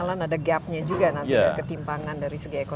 malah ada gap nya juga nanti ketimpangan dari segi ekonomi